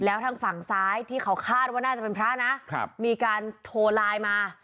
แล้วทางฝั่งซ้ายที่เขาคาดว่าน่าจะเป็นพระนะมีการโทรไลน์มา